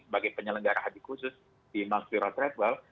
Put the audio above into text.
sebagai penyelenggara haji khusus di mount spiro treadwell